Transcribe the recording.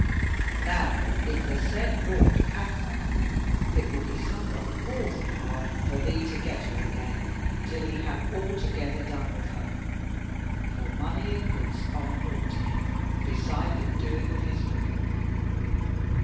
Now if the said lord hath her, it will be somewhat more than hard for thee to get her again, till he have altogether done with her; for money and goods are naught to him beside the doing of his will.